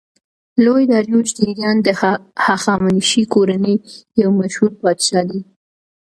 لوی داریوش د ایران د هخامنشي کورنۍ یو مشهور پادشاه دﺉ.